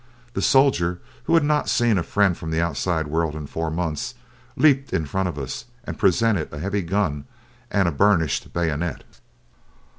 The soldier, who had not seen a friend from the outside world in four months, leaped in front of us and presented a heavy gun and a burnished bayonet.